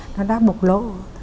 nó đã bộc lộ